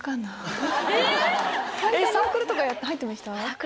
サークルとか入ってました？